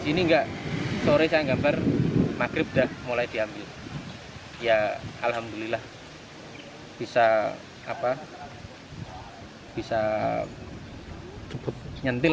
sini enggak sore saya gambar maghrib dah mulai diambil ya alhamdulillah bisa apa bisa cukup nyentil